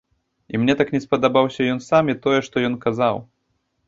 І мне так не спадабаўся ён сам і тое, што ён казаў.